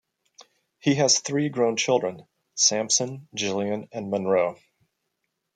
He has three grown children: Samson, Gillian, and Monroe.